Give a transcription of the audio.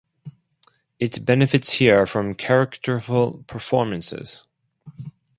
It benefits here from characterful performances.